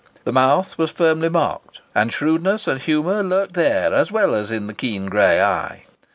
The mouth was firmly marked, and shrewdness and humour lurked there as well as in the keen grey eye.